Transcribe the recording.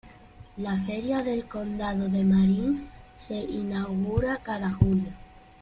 La Feria del Condado de Marin se inaugura cada julio.